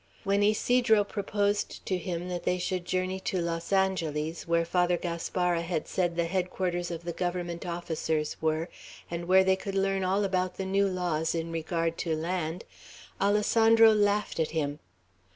When Ysidro proposed to him that they should journey to Los Angeles, where Father Gaspara had said the headquarters of the Government officers were, and where they could learn all about the new laws in regard to land, Alessandro laughed at him.